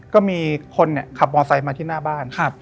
ก็มีคนขับมอไซค์มาที่หน้าบ้าน